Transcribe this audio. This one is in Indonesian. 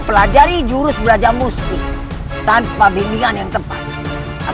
jenna kebetusan kamu sudah memberi dukungan hebat lagi